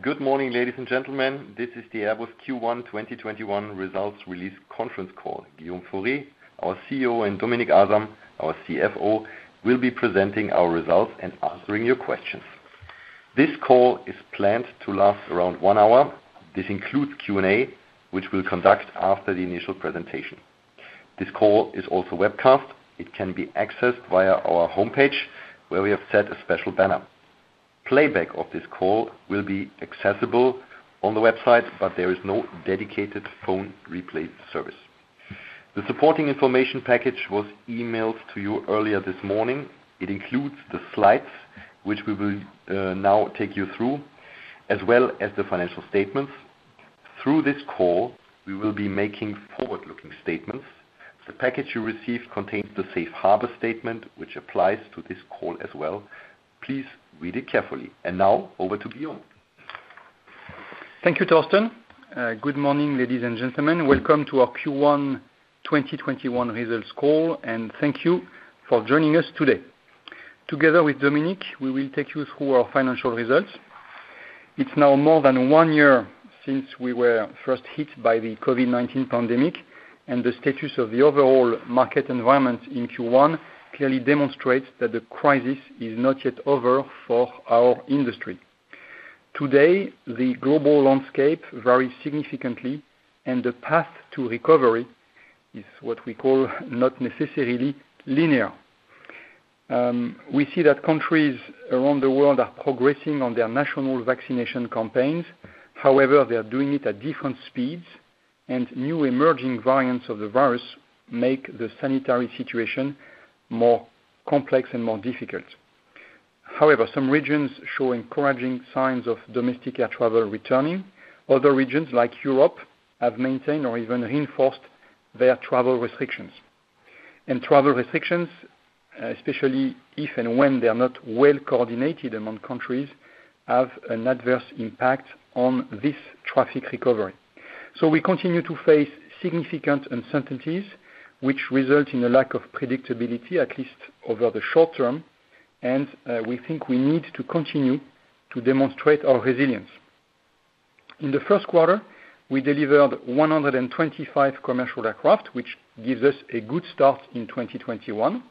Good morning, ladies and gentlemen. This is the Airbus Q1 2021 results release conference call. Guillaume Faury, our CEO, and Dominik Asam, our CFO, will be presenting our results and answering your questions. This call is planned to last around one hour. This includes Q&A, which we'll conduct after the initial presentation. This call is also webcast. It can be accessed via our homepage, where we have set a special banner. Playback of this call will be accessible on the website, but there is no dedicated phone replay service. The supporting information package was emailed to you earlier this morning. It includes the slides, which we will now take you through, as well as the financial statements. Through this call, we will be making forward-looking statements. The package you received contains the safe harbor statement, which applies to this call as well. Please read it carefully Now, over to Guillaume. Thank you, Thorsten. Good morning, ladies and gentlemen. Welcome to our Q1 2021 results call. Thank you for joining us today. Together with Dominik, we will take you through our financial results. It's now more than one year since we were first hit by the COVID-19 pandemic, and the status of the overall market environment in Q1 clearly demonstrates that the crisis is not yet over for our industry. Today, the global landscape varies significantly, and the path to recovery is what we call not necessarily linear. We see that countries around the world are progressing on their national vaccination campaigns. However, they are doing it at different speeds, and new emerging variants of the virus make the sanitary situation more complex and more difficult. However, some regions show encouraging signs of domestic air travel returning. Other regions, like Europe, have maintained or even reinforced their travel restrictions. Travel restrictions, especially if and when they are not well-coordinated among countries, have an adverse impact on this traffic recovery. We continue to face significant uncertainties, which result in a lack of predictability, at least over the short term. We think we need to continue to demonstrate our resilience. In the first quarter, we delivered 125 commercial aircraft, which gives us a good start in 2021.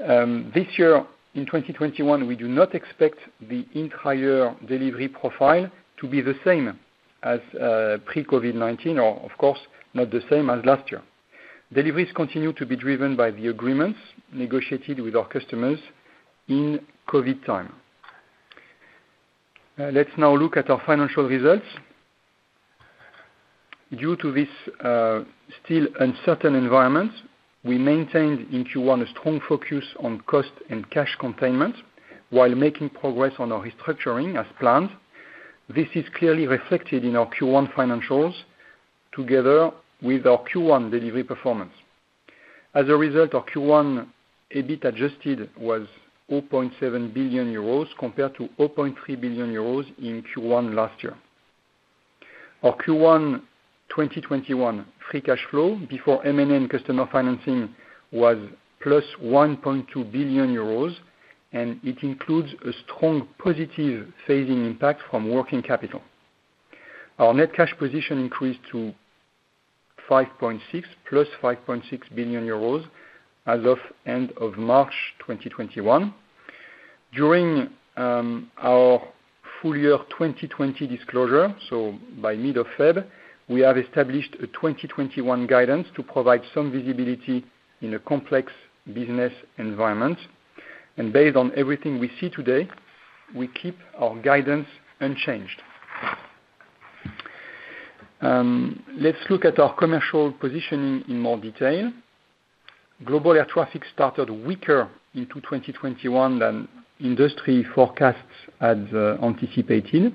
This year, in 2021, we do not expect the entire delivery profile to be the same as pre-COVID-19 or, of course, not the same as last year. Deliveries continue to be driven by the agreements negotiated with our customers in COVID time. Let's now look at our financial results. Due to this still uncertain environment, we maintained in Q1 a strong focus on cost and cash containment while making progress on our restructuring as planned. This is clearly reflected in our Q1 financials together with our Q1 delivery performance. Our Q1 EBIT adjusted was 0.7 billion euros compared to 0.3 billion euros in Q1 last year. Our Q1 2021 free cash flow before M&A customer financing was plus 1.2 billion euros, and it includes a strong positive phasing impact from working capital. Our net cash position increased to plus 5.6 billion euros as of end of March 2021. During our full-year 2020 disclosure, so by mid of Feb, we have established a 2021 guidance to provide some visibility in a complex business environment. Based on everything we see today, we keep our guidance unchanged. Let's look at our commercial positioning in more detail. Global air traffic started weaker into 2021 than industry forecasts had anticipated.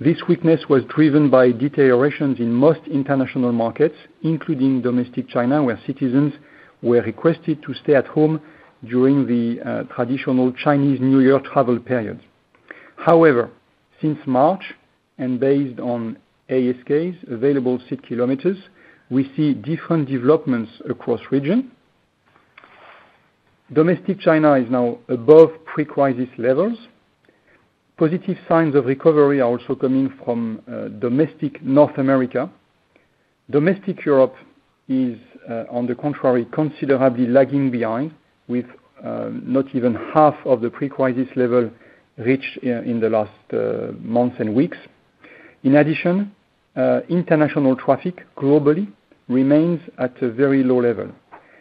This weakness was driven by deteriorations in most international markets, including domestic China, where citizens were requested to stay at home during the traditional Chinese New Year travel period. However, since March, and based on ASK, available seat kilometers, we see different developments across region. Domestic China is now above pre-crisis levels. Positive signs of recovery are also coming from domestic North America. Domestic Europe is, on the contrary, considerably lagging behind, with not even half of the pre-crisis level reached in the last months and weeks. In addition, international traffic globally remains at a very low level,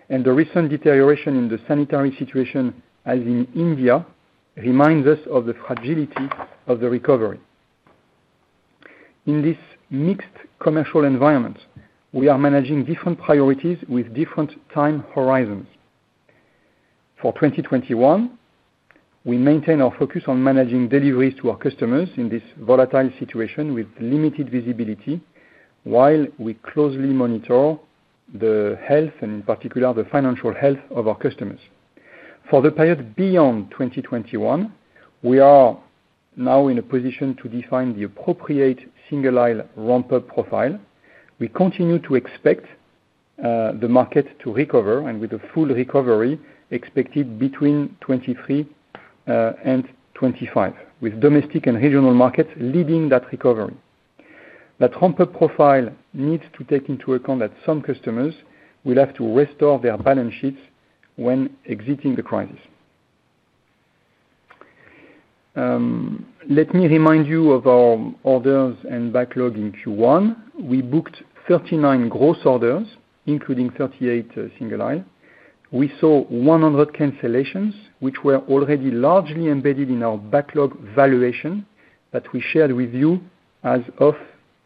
and the recent deterioration in the sanitary situation, as in India, reminds us of the fragility of the recovery. In this mixed commercial environment, we are managing different priorities with different time horizons. For 2021, we maintain our focus on managing deliveries to our customers in this volatile situation with limited visibility, while we closely monitor the health, and in particular, the financial health of our customers. For the period beyond 2021, we are now in a position to define the appropriate single-aisle ramp-up profile. We continue to expect the market to recover and with a full recovery expected between 2023 and 2025, with domestic and regional markets leading that recovery. That ramp up profile needs to take into account that some customers will have to restore their balance sheets when exiting the crisis. Let me remind you of our orders and backlog in Q1. We booked 39 gross orders, including 38 single aisle. We saw 100 cancellations, which were already largely embedded in our backlog valuation that we shared with you as of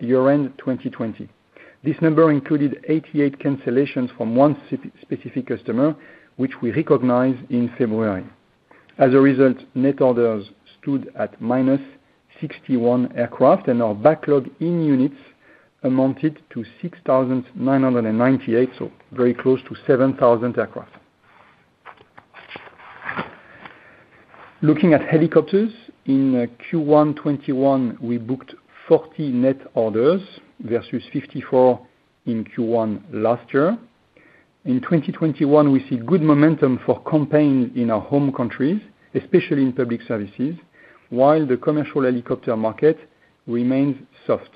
year-end 2020. Net orders stood at minus 61 aircraft, and our backlog in units amounted to 6,998, so very close to 7,000 aircraft. Looking at helicopters, in Q1 2021, we booked 40 net orders versus 54 in Q1 last year. In 2021, we see good momentum for campaigns in our home countries, especially in public services, while the commercial helicopter market remains soft.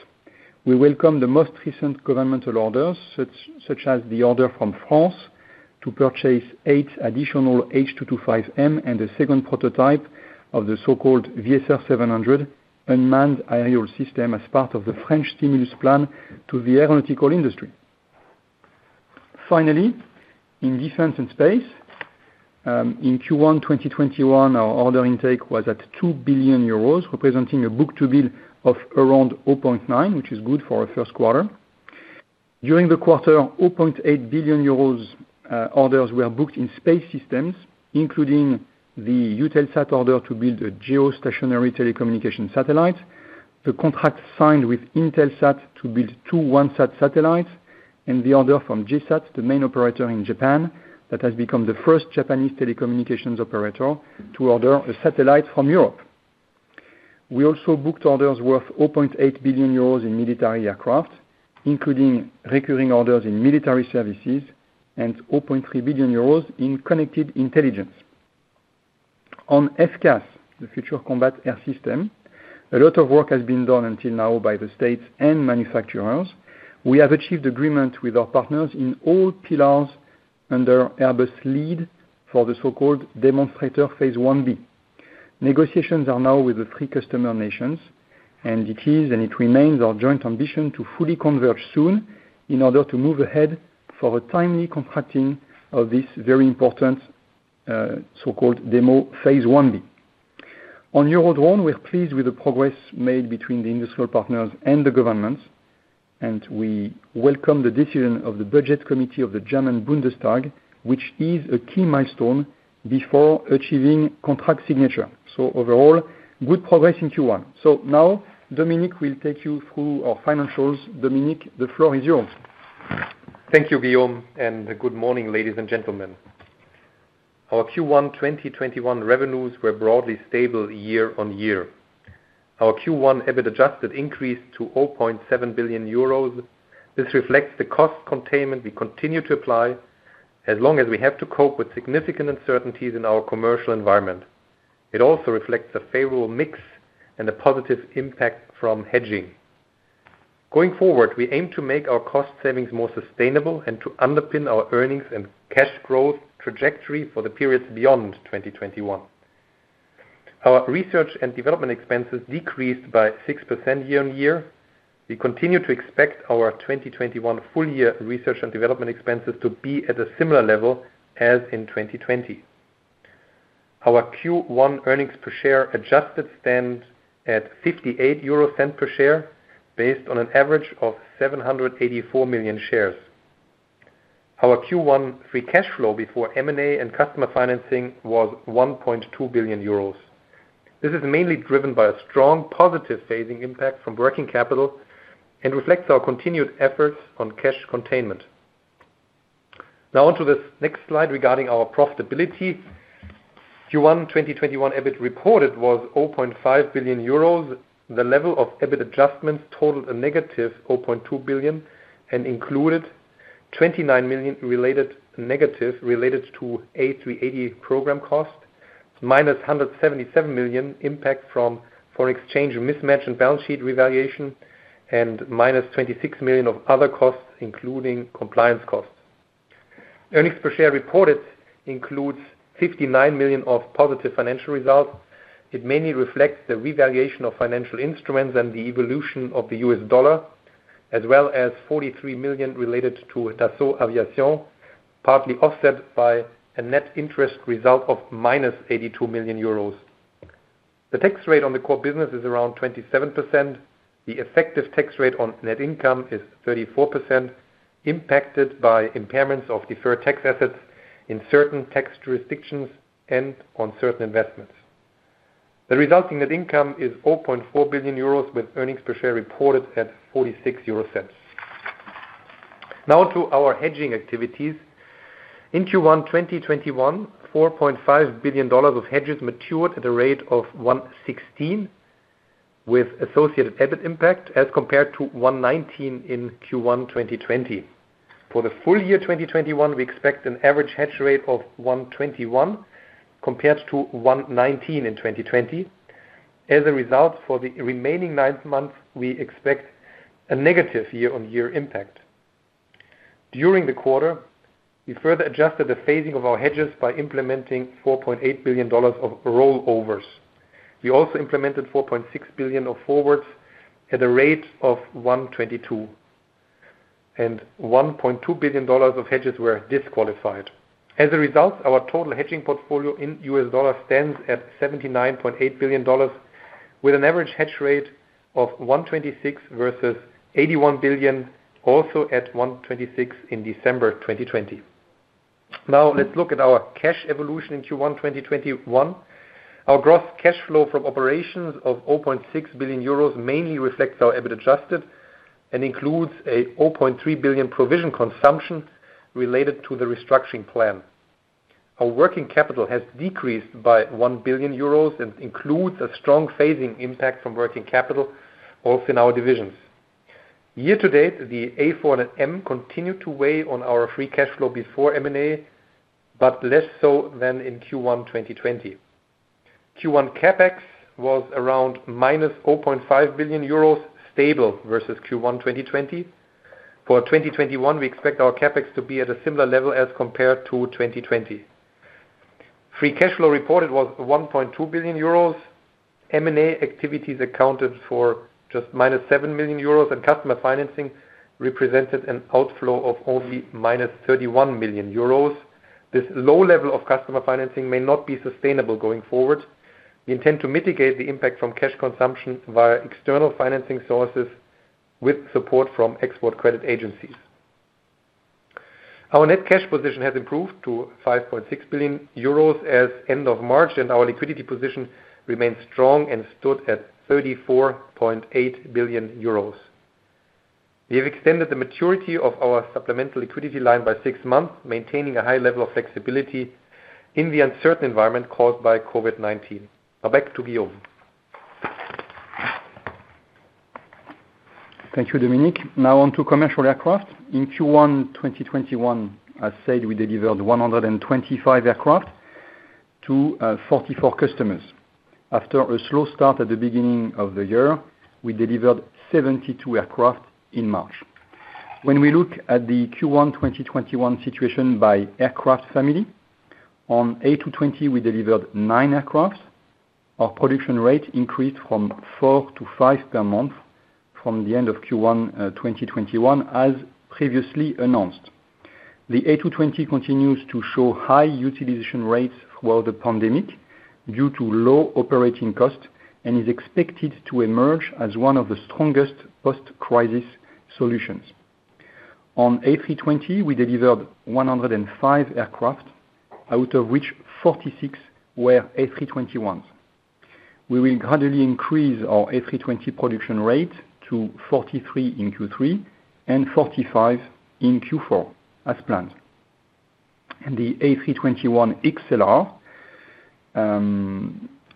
We welcome the most recent governmental orders, such as the order from France to purchase eight additional H225M and a second prototype of the so-called VSR700 unmanned aerial system as part of the French stimulus plan to the aeronautical industry. In defense and space, in Q1 2021, our order intake was at 2 billion euros, representing a Book-to-bill of around 0.9, which is good for our first quarter. During the quarter, 0.8 billion euros orders were booked in space systems, including the Eutelsat order to build a geostationary telecommunication satellite, the contract signed with Intelsat to build two OneSat satellites, and the order from JSAT, the main operator in Japan, that has become the first Japanese telecommunications operator to order a satellite from Europe. We also booked orders worth 0.8 billion euros in military aircraft, including recurring orders in military services and 0.3 billion euros in connected intelligence. On FCAS, the Future Combat Air System, a lot of work has been done until now by the states and manufacturers. We have achieved agreement with our partners in all pillars under Airbus lead for the so-called Demonstrator Phase 1B. Negotiations are now with the three customer nations, and it is, and it remains our joint ambition to fully converge soon in order to move ahead for a timely contracting of this very important, so-called Demo Phase 1B. On Eurodrone, we are pleased with the progress made between the industrial partners and the governments, and we welcome the decision of the budget committee of the German Bundestag, which is a key milestone before achieving contract signature. Overall, good progress in Q1. Now Dominik will take you through our financials. Dominik, the floor is yours. Thank you, Guillaume. Good morning, ladies and gentlemen. Our Q1 2021 revenues were broadly stable year-on-year. Our Q1 EBIT adjusted increased to 0.7 billion euros. This reflects the cost containment we continue to apply as long as we have to cope with significant uncertainties in our commercial environment. It also reflects a favorable mix and a positive impact from hedging. Going forward, we aim to make our cost savings more sustainable and to underpin our earnings and cash growth trajectory for the periods beyond 2021. Our research and development expenses decreased by 6% year-on-year. We continue to expect our 2021 full year research and development expenses to be at a similar level as in 2020. Our Q1 earnings per share adjusted stand at 0.58 per share, based on an average of 784 million shares. Our Q1 free cash flow before M&A and customer financing was 1.2 billion euros. This is mainly driven by a strong positive phasing impact from working capital and reflects our continued efforts on cash containment. On to this next slide regarding our profitability. Q1 2021 EBIT reported was 0.5 billion euros. The level of EBIT adjustments totaled a negative 0.2 billion and included 29 million negative related to A380 program cost, minus 177 million impact from foreign exchange mismatch and balance sheet revaluation, and minus 26 million of other costs, including compliance costs. Earnings per share reported includes 59 million of positive financial results. It mainly reflects the revaluation of financial instruments and the evolution of the US dollar, as well as 43 million related to Dassault Aviation, partly offset by a net interest result of minus 82 million euros. The tax rate on the core business is around 27%. The effective tax rate on net income is 34%, impacted by impairments of deferred tax assets in certain tax jurisdictions and on certain investments. The resulting net income is €4.4 billion, with earnings per share reported at €0.46. To our hedging activities. In Q1 2021, $4.5 billion of hedges matured at a rate of 116, with associated EBIT impact as compared to 119 in Q1 2020. For the full year 2021, we expect an average hedge rate of 121 compared to 119 in 2020. For the remaining nine months, we expect a negative year-on-year impact. During the quarter, we further adjusted the phasing of our hedges by implementing $4.8 billion of rollovers. We also implemented $4.6 billion of forwards at a rate of 122, and $1.2 billion of hedges were disqualified. Our total hedging portfolio in US dollars stands at $79.8 billion, with an average hedge rate of 126 versus $81 billion, also at 126 in December 2020. Let's look at our cash evolution in Q1 2021. Our gross cash flow from operations of €8.6 billion mainly reflects our EBIT adjusted and includes a €4.3 billion provision consumption related to the restructuring plan. Our working capital has decreased by €1 billion and includes a strong phasing impact from working capital, also in our divisions. Year to date, the A400M continued to weigh on our free cash flow before M&A, but less so than in Q1 2020. Q1 CapEx was around minus €4.5 billion, stable versus Q1 2020. For 2021, we expect our CapEx to be at a similar level as compared to 2020. Free cash flow reported was €1.2 billion. M&A activities accounted for just minus 7 million euros, and customer financing represented an outflow of only minus 31 million euros. This low level of customer financing may not be sustainable going forward. We intend to mitigate the impact from cash consumption via external financing sources with support from export credit agencies. Our net cash position has improved to 5.6 billion euros as end of March, and our liquidity position remains strong and stood at 34.8 billion euros. We have extended the maturity of our supplemental liquidity line by six months, maintaining a high level of flexibility in the uncertain environment caused by COVID-19. Back to Guillaume. Thank you, Dominik. On to commercial aircraft. In Q1 2021, as said, we delivered 125 aircraft to 44 customers. After a slow start at the beginning of the year, we delivered 72 aircraft in March. When we look at the Q1 2021 situation by aircraft family, on A220 we delivered nine aircraft. Our production rate increased from four to five per month from the end of Q1 2021, as previously announced. The A220 continues to show high utilization rates throughout the pandemic due to low operating cost and is expected to emerge as one of the strongest post-crisis solutions. On A320, we delivered 105 aircraft, out of which 46 were A321s. We will gradually increase our A320 production rate to 43 in Q3 and 45 in Q4 as planned. The A321XLR,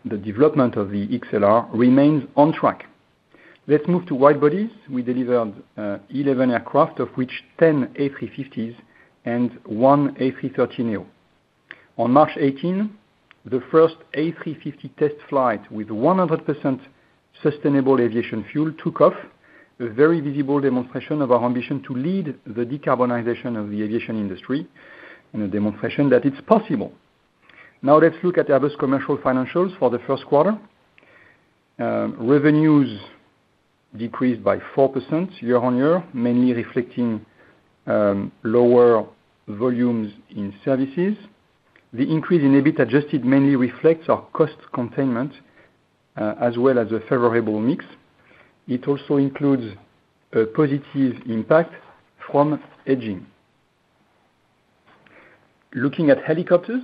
the development of the XLR remains on track. Let's move to wide bodies. We delivered 11 aircraft, of which 10 A350s and one A330neo. On March 18, the first A350 test flight with 100% sustainable aviation fuel took off, a very visible demonstration of our ambition to lead the decarbonization of the aviation industry and a demonstration that it's possible. Now let's look at Airbus commercial financials for the first quarter. Revenues decreased by 4% year-on-year, mainly reflecting lower volumes in services. The increase in EBIT adjusted mainly reflects our cost containment, as well as a favorable mix. It also includes a positive impact from hedging. Looking at helicopters,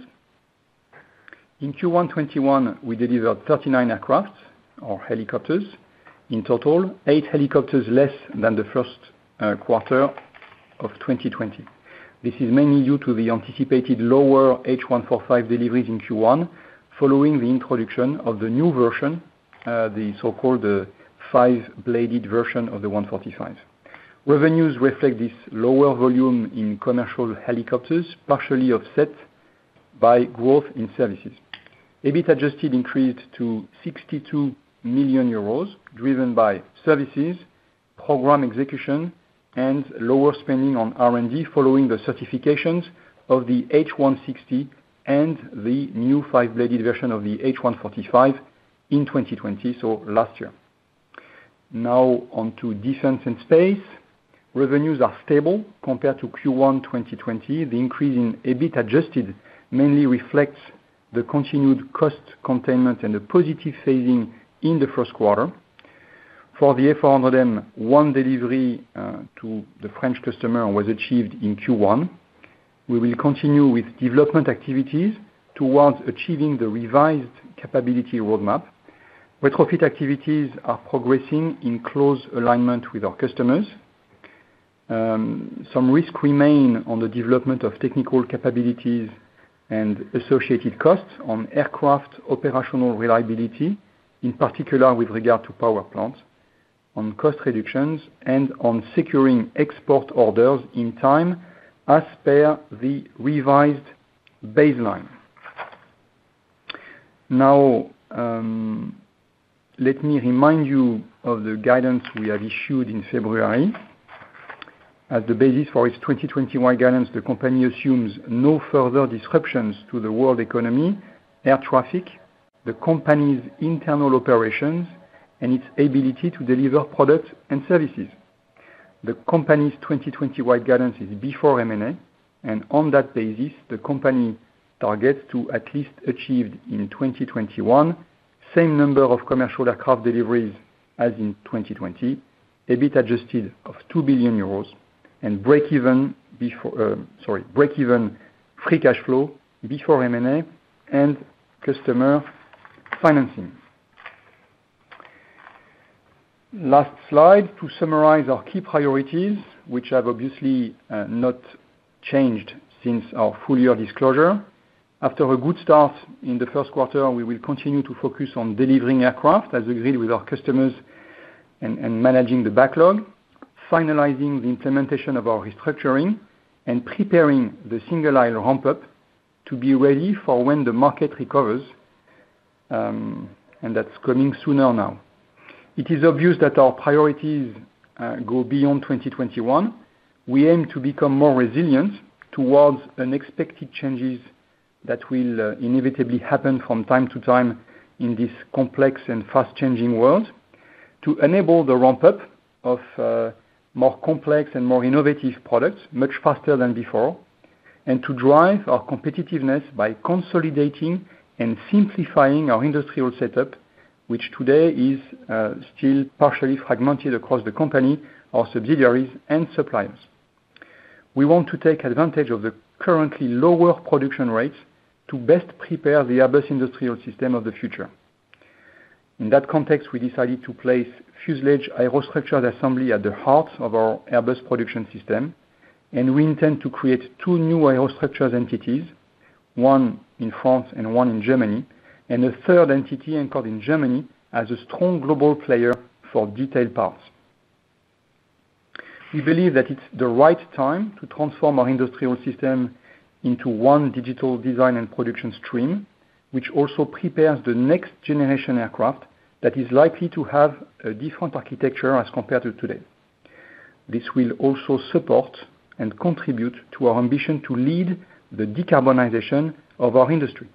in Q1 2021, we delivered 39 aircraft or helicopters in total. Eight helicopters less than the first quarter of 2020. This is mainly due to the anticipated lower H145 deliveries in Q1 following the introduction of the new version, the so-called five-bladed version of the 145. Revenues reflect this lower volume in commercial helicopters, partially offset by growth in services. EBIT adjusted increased to 62 million euros, driven by services, program execution, and lower spending on R&D following the certifications of the H160 and the new five-bladed version of the H145 in 2020, so last year. Now on to defense and space. Revenues are stable compared to Q1 2020. The increase in EBIT adjusted mainly reflects the continued cost containment and the positive phasing in the first quarter. For the A400M, one delivery to the French customer was achieved in Q1. We will continue with development activities towards achieving the revised capability roadmap. Retrofit activities are progressing in close alignment with our customers. Some risks remain on the development of technical capabilities and associated costs on aircraft operational reliability, in particular with regard to power plants, on cost reductions, and on securing export orders in time as per the revised baseline. Let me remind you of the guidance we have issued in February. As the basis for its 2021 guidance, the company assumes no further disruptions to the world economy, air traffic, the company's internal operations, and its ability to deliver products and services. The company's 2021 guidance is before M&A. On that basis, the company targets to at least achieve in 2021 the same number of commercial aircraft deliveries as in 2020, EBIT adjusted of 2 billion euros, and break-even free cash flow before M&A and customer financing. Last slide, to summarize our key priorities, which have obviously not changed since our full-year disclosure. After a good start in the first quarter, we will continue to focus on delivering aircraft as agreed with our customers and managing the backlog, finalizing the implementation of our restructuring, and preparing the single-aisle ramp-up to be ready for when the market recovers. That's coming sooner now. It is obvious that our priorities go beyond 2021. We aim to become more resilient towards unexpected changes that will inevitably happen from time to time in this complex and fast-changing world, to enable the ramp-up of more complex and more innovative products much faster than before, and to drive our competitiveness by consolidating and simplifying our industrial setup, which today is still partially fragmented across the company, our subsidiaries, and suppliers. We want to take advantage of the currently lower production rates to best prepare the Airbus industrial system of the future. In that context, we decided to place fuselage aerostructured assembly at the heart of our Airbus production system, and we intend to create two new aerostructures entities, one in France and one in Germany, and a third entity anchored in Germany as a strong global player for detailed parts. We believe that it's the right time to transform our industrial system into one digital design and production stream, which also prepares the next generation aircraft that is likely to have a different architecture as compared to today. This will also support and contribute to our ambition to lead the decarbonization of our industry.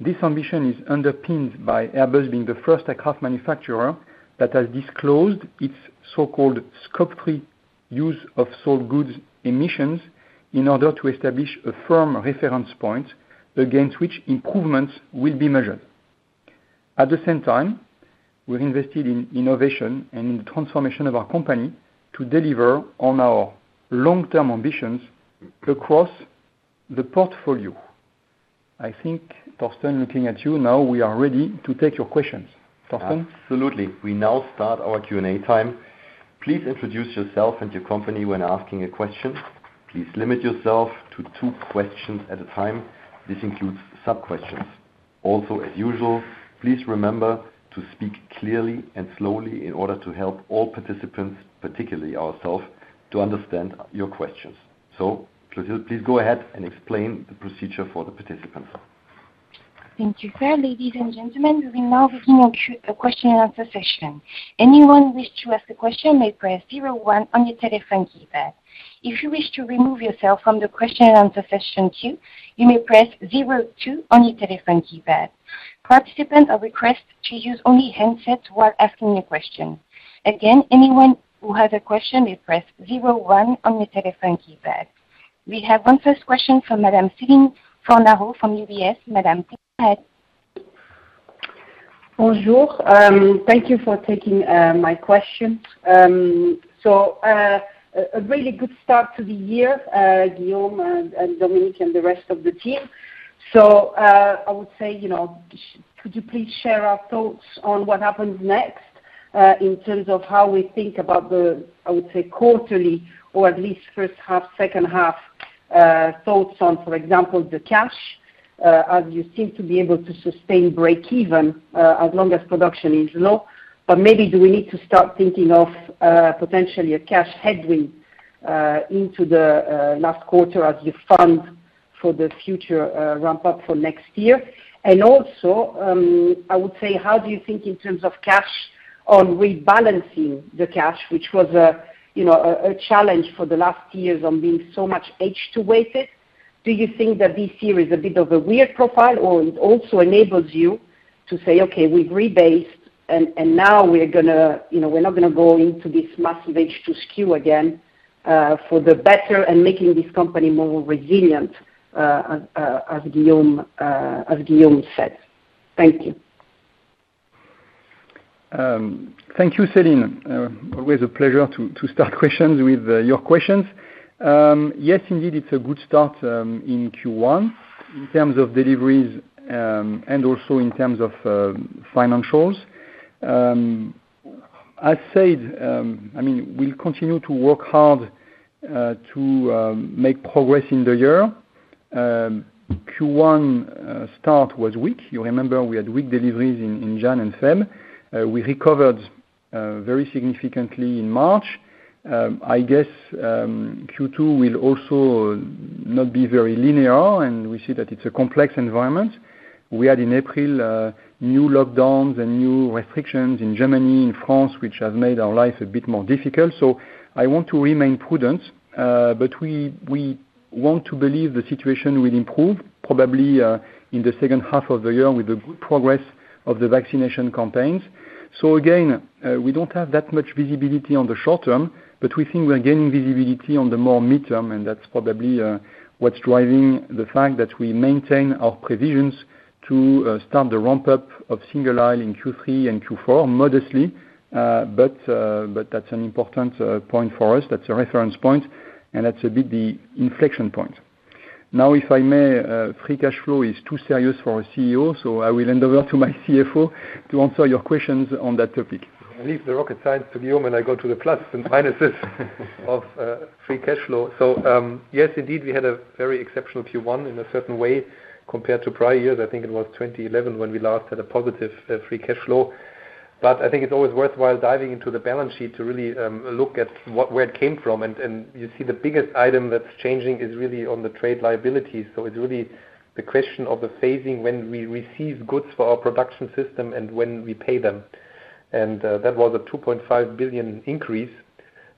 This ambition is underpinned by Airbus being the first aircraft manufacturer that has disclosed its so-called Scope three use of sold goods emissions in order to establish a firm reference point against which improvements will be measured. At the same time, we've invested in innovation and in the transformation of our company to deliver on our long-term ambitions across the portfolio. I think, Thorsten, looking at you now, we are ready to take your questions. Thorsten? Absolutely. We now start our Q&A time. Please introduce yourself and your company when asking a question. Please limit yourself to two questions at a time. This includes sub-questions. Also, as usual, please remember to speak clearly and slowly in order to help all participants, particularly ourselves, to understand your questions. Please go ahead and explain the procedure for the participants. Thank you, sir. Ladies and gentlemen, we will now begin the question and answer session. Anyone who wish to ask a question may press zero one on your telephone keypad, if you wish to remove yourself from the question and answer section queue you may press zero two on your telephone keypad. Participants are request to use only handset when asking a question. Again anyone who has a question may press zero one on your telephone keypad. We have one first question from Madam Céline Fornaro from UBS. Madam, please go ahead. Bonjour. Thank you for taking my question. A really good start to the year, Guillaume and Dominik Asam and the rest of the team. Could you please share your thoughts on what happens next, in terms of how we think about the quarterly or at least first half, second half thoughts on, for example, the cash, as you seem to be able to sustain break even as long as production is low. Maybe do we need to start thinking of potentially a cash headwind into the last quarter as you fund for the future ramp-up for next year? Also, how do you think in terms of cash on rebalancing the cash, which was a challenge for the last years on being so much H2 weighted? Do you think that this year is a bit of a weird profile, or it also enables you to say, "Okay, we've rebased, and now we're not going to go into this massive H2 skew again, for the better and making this company more resilient," as Guillaume said? Thank you. Thank you, Céline. Always a pleasure to start questions with your questions. Yes, indeed, it's a good start in Q1 in terms of deliveries, and also in terms of financials. I said we'll continue to work hard to make progress in the year. Q1 start was weak. You remember we had weak deliveries in January and February. We recovered very significantly in March. I guess Q2 will also not be very linear and we see that it's a complex environment. We had in April, new lockdowns and new restrictions in Germany, in France, which have made our life a bit more difficult. I want to remain prudent, but we want to believe the situation will improve probably, in the second half of the year with the good progress of the vaccination campaigns. Again, we don't have that much visibility on the short term, but we think we are gaining visibility on the more midterm, and that's probably what's driving the fact that we maintain our provisions to start the ramp-up of single-aisle in Q3 and Q4 modestly. That's an important point for us. That's a reference point, and that's a bit the inflection point. Now, if I may, free cash flow is too serious for a CEO, so I will hand over to my CFO to answer your questions on that topic. I leave the rocket science to Guillaume and I go to the plus and minuses of free cash flow. Yes, indeed we had a very exceptional Q1 in a certain way compared to prior years. I think it was 2011 when we last had a positive free cash flow, but I think it's always worthwhile diving into the balance sheet to really look at where it came from. You see the biggest item that's changing is really on the trade liabilities. It's really the question of the phasing when we receive goods for our production system and when we pay them. That was a 2.5 billion increase.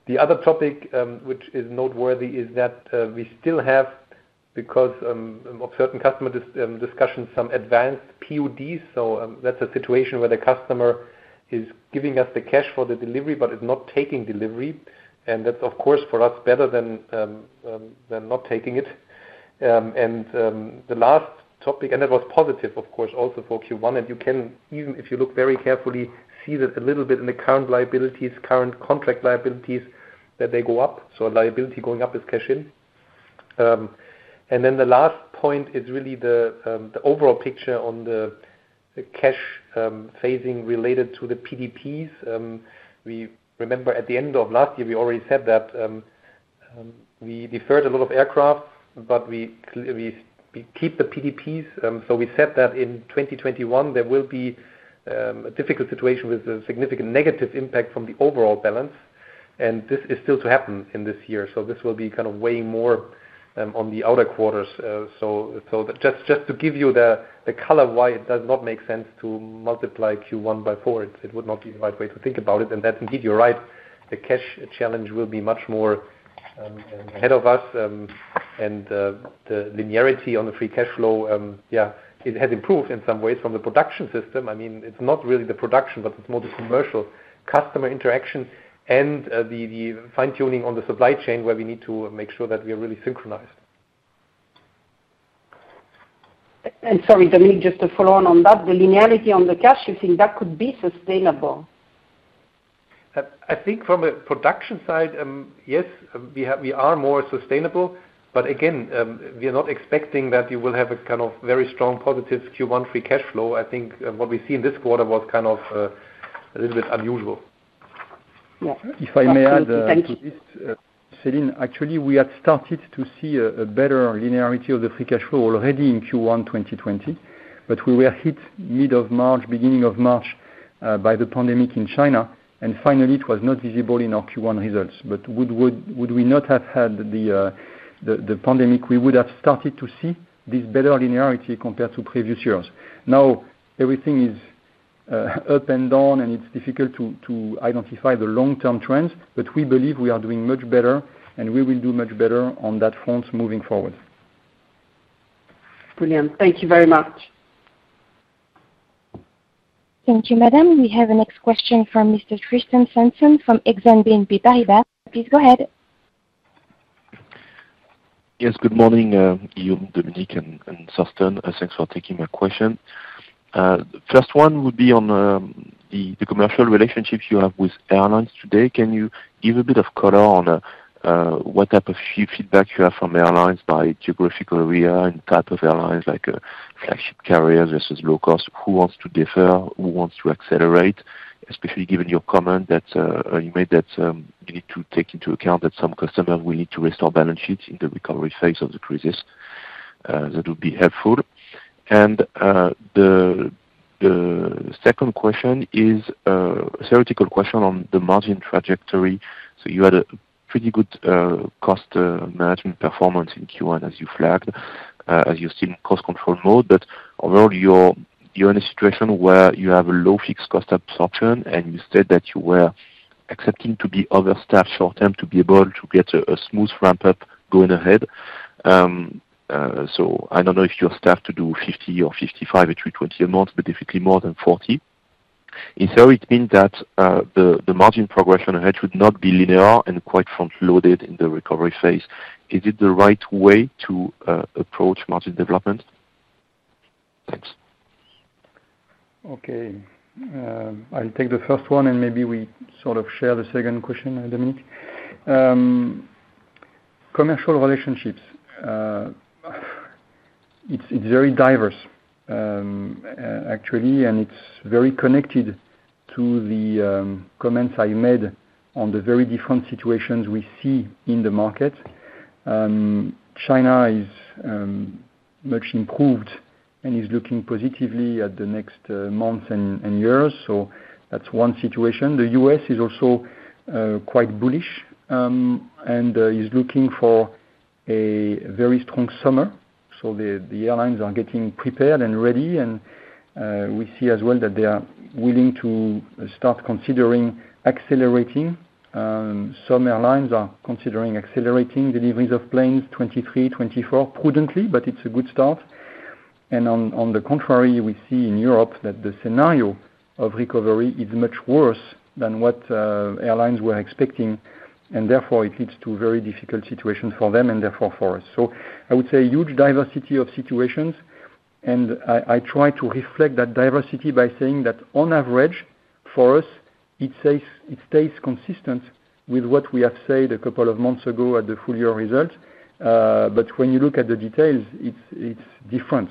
The other topic, which is noteworthy is that we still have, because of certain customer discussions, some advanced PDPs. That's a situation where the customer is giving us the cash for the delivery, but is not taking delivery. That's, of course, for us, better than not taking it. The last topic, and that was positive, of course, also for Q1, and you can even, if you look very carefully, see that a little bit in the current liabilities, current contract liabilities, that they go up. Liability going up is cash in. Then the last point is really the overall picture on the cash phasing related to the PDPs. Remember at the end of last year, we already said that we deferred a lot of aircraft, but we keep the PDPs. We said that in 2021, there will be a difficult situation with a significant negative impact from the overall balance, and this is still to happen in this year. This will be weighing more on the outer quarters. Just to give you the color why it does not make sense to multiply Q1 by four. It would not be the right way to think about it. That indeed, you're right, the cash challenge will be much more ahead of us. The linearity on the free cash flow, yeah, it has improved in some ways from the production system. It's not really the production, but it's more the commercial customer interaction and the fine-tuning on the supply chain where we need to make sure that we are really synchronized. Sorry, Dominik, just to follow on that, the linearity on the cash, you think that could be sustainable? I think from a production side, yes, we are more sustainable. Again, we are not expecting that you will have a very strong positive Q1 free cash flow. I think what we see in this quarter was a little bit unusual. Yes. Absolutely. Thank you. If I may add to this, Celine, actually, we had started to see a better linearity of the free cash flow already in Q1 2020, but we were hit mid of March, beginning of March, by the pandemic in China, and finally, it was not visible in our Q1 results, but would we not have had the pandemic, we would have started to see this better linearity compared to previous years. Now everything is up and down, and it's difficult to identify the long-term trends, but we believe we are doing much better, and we will do much better on that front moving forward. Brilliant. Thank you very much. Thank you, madam. We have the next question from Mr. Tristan Sanson from Exane BNP Paribas. Please go ahead. Yes. Good morning, Guillaume, Dominik, and Thorsten. Thanks for taking my question. First one would be on the commercial relationships you have with airlines today. Can you give a bit of color on what type of feedback you have from airlines by geographic area and type of airlines, like flagship carrier versus low cost? Who wants to defer, who wants to accelerate, especially given your comment that you made that you need to take into account that some customers will need to restore balance sheets in the recovery phase of the crisis. That would be helpful. The second question is a theoretical question on the margin trajectory. You had a pretty good cost management performance in Q1 as you flagged, as you're still in cost control mode. Overall, you're in a situation where you have a low fixed cost absorption, and you said that you were accepting to be overstaffed short term to be able to get a smooth ramp-up going ahead. I don't know if you're staffed to do 50 or 55 A320 a month, but definitely more than 40. If so, it means that the margin progression ahead should not be linear and quite front-loaded in the recovery phase. Is it the right way to approach margin development? Thanks. Okay. I'll take the first one and maybe we sort of share the second question, Dominique. Commercial relationships. It's very diverse, actually, and it's very connected to the comments I made on the very different situations we see in the market. China is much improved and is looking positively at the next months and years. That's one situation. The U.S. is also quite bullish, and is looking for a very strong summer. The airlines are getting prepared and ready, and we see as well that they are willing to start considering accelerating. Some airlines are considering accelerating deliveries of planes, 2023, 2024 prudently, but it's a good start. On the contrary, we see in Europe that the scenario of recovery is much worse than what airlines were expecting, and therefore, it leads to very difficult situations for them and therefore for us. I would say huge diversity of situations, and I try to reflect that diversity by saying that on average, for us, it stays consistent with what we have said a couple of months ago at the full year results. When you look at the details, it's different.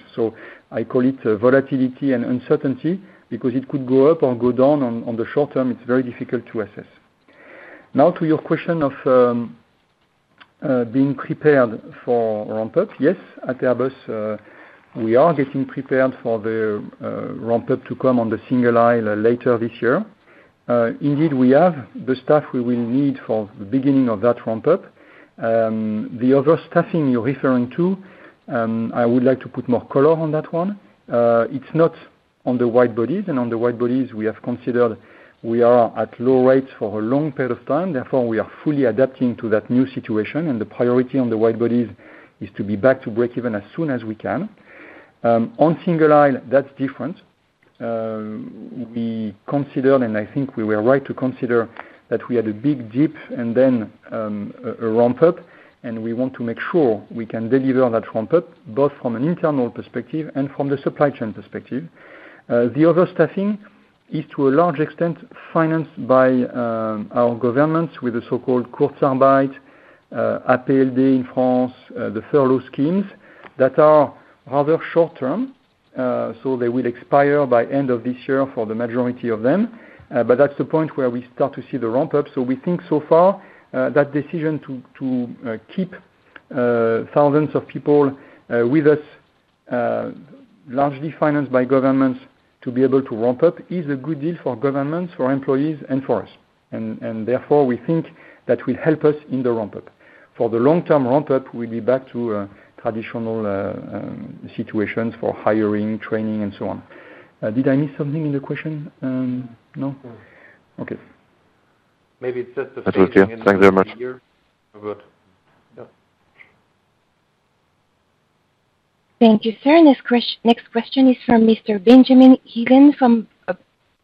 I call it volatility and uncertainty because it could go up or go down on the short term, it's very difficult to assess. Now to your question of being prepared for ramp up. Yes, at Airbus, we are getting prepared for the ramp up to come on the single aisle later this year. Indeed, we have the staff we will need for the beginning of that ramp up. The other staffing you're referring to, I would like to put more color on that one. It's not on the wide-bodies. On the wide-bodies, we have considered we are at low rates for a long period of time, therefore, we are fully adapting to that new situation, and the priority on the wide-bodies is to be back to breakeven as soon as we can. On single aisle, that's different. We consider, and I think we were right to consider, that we had a big dip and then a ramp up, and we want to make sure we can deliver on that ramp up, both from an internal perspective and from the supply chain perspective. The other staffing is to a large extent financed by our governments with the so-called Kurzarbeit, APLD in France, the furlough schemes that are rather short term. They will expire by end of this year for the majority of them. That's the point where we start to see the ramp up. We think so far, that decision to keep thousands of people with us, largely financed by governments to be able to ramp up, is a good deal for governments, for employees, and for us. Therefore, we think that will help us in the ramp up. For the long-term ramp up, we'll be back to traditional situations for hiring, training, and so on. Did I miss something in the question? No? Okay. Maybe it's just. That's all. Thank you very much. Yeah. Thank you, sir. Next question is from Mr. Benjamin Heelan from Bank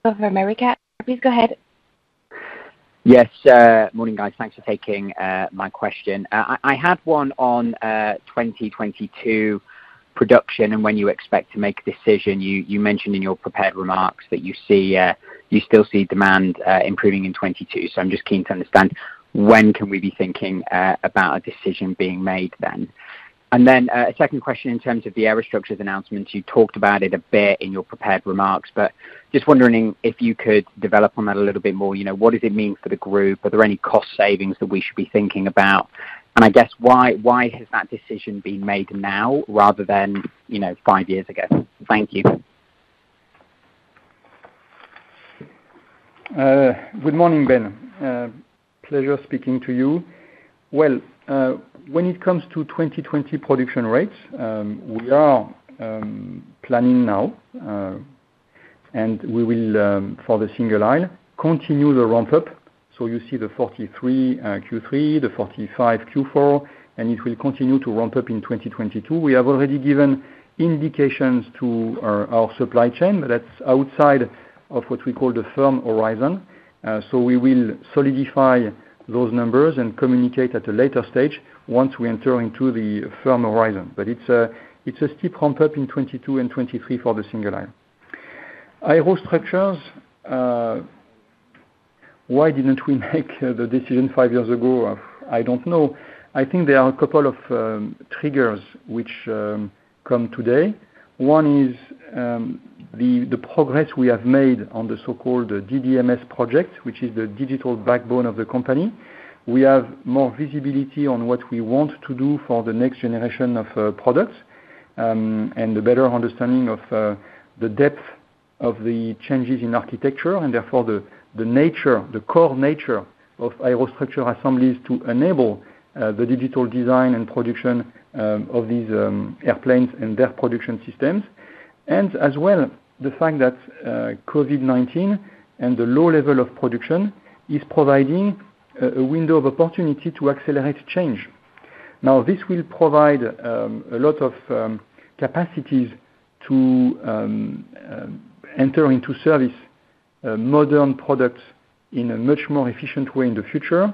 of America. Please go ahead. Yes. Morning, guys. Thanks for taking my question. I had one on 2022 production and when you expect to make a decision. You mentioned in your prepared remarks that you still see demand improving in 2022. I'm just keen to understand when can we be thinking about a decision being made then? Then, a second question in terms of the aerostructures announcement. You talked about it a bit in your prepared remarks, just wondering if you could develop on that a little bit more. What does it mean for the group? Are there any cost savings that we should be thinking about? I guess why has that decision been made now rather than five years ago? Thank you. Good morning, Ben. Pleasure speaking to you. Well, when it comes to 2020 production rates, we are planning now and we will, for the single aisle, continue the ramp up. You see the 43 Q3, the 45 Q4, and it will continue to ramp up in 2022. We have already given indications to our supply chain, but that's outside of what we call the firm horizon. We will solidify those numbers and communicate at a later stage once we enter into the firm horizon. It's a steep ramp up in 2022 and 2023 for the single aisle. Aero structures. Why didn't we make the decision five years ago? I don't know. I think there are a couple of triggers which come today. One is the progress we have made on the so-called DDMS project, which is the digital backbone of the company. We have more visibility on what we want to do for the next generation of products, and a better understanding of the depth of the changes in architecture, and therefore the core nature of aerostructure assemblies to enable the digital design and production of these airplanes and their production systems. As well, the fact that COVID-19 and the low level of production is providing a window of opportunity to accelerate change. Now, this will provide a lot of capacities to enter into service modern products in a much more efficient way in the future.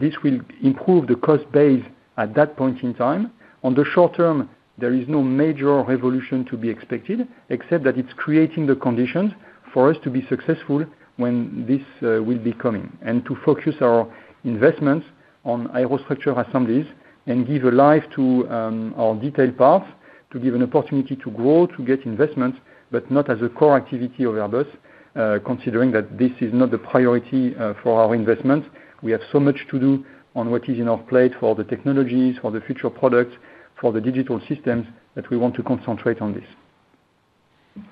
This will improve the cost base at that point in time. On the short term, there is no major revolution to be expected except that it's creating the conditions for us to be successful when this will be coming, and to focus our investments on aero structure assemblies and give a life to our detailed parts. To give an opportunity to grow, to get investments, but not as a core activity of Airbus, considering that this is not the priority for our investment. We have so much to do on what is in our plate for the technologies, for the future products, for the digital systems that we want to concentrate on this.